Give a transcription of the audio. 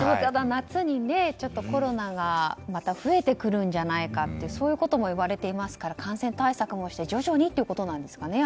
夏にコロナがまた増えてくるんじゃないかってそういうこともいわれていますから感染対策をして徐々にということなんですかね。